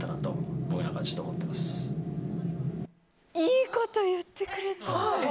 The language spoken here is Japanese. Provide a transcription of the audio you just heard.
いいこと言ってくれた！